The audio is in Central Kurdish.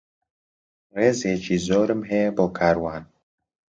ڕێزێکی زۆرم هەیە بۆ کاروان.